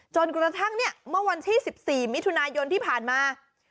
จนกระทั่งเนี่ยเมื่อวันที่๑๔มิถุนายนที่ผ่านมา